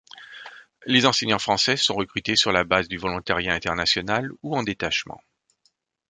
Les enseignants français sont recrutés sur la base du volontariat international ou en détachement.